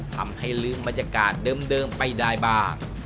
ทำให้ลืมบรรยากาศเดิมไปได้บ้าง